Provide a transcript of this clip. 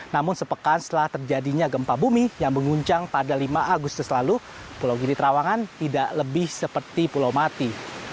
namun sepekan setelah terjadinya gempa bumi yang menguncang pada lima agustus lalu pulau gili trawangan tidak lebih seperti pulau mati